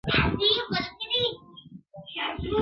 داسي په ماښام سترگي راواړوه.